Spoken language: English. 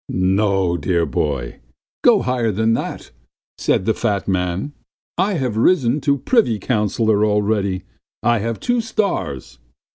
"No dear boy, go higher than that," said the fat man. "I have risen to privy councillor already ... I have two stars."